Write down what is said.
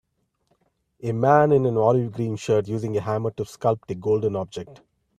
A man in an olive green shirt using a hammer to sculpt a golden object.